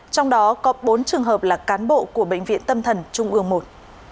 trong đó có bốn trường hợp là cán bộ của bệnh viện tâm thần trung ương i